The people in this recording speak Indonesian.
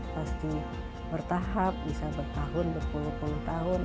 pasti bertahap bisa bertahun berpuluh puluh tahun